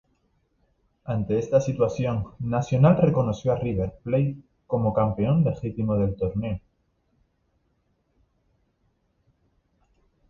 Ante esta situación, Nacional reconoció a River Plate como campeón legítimo del torneo.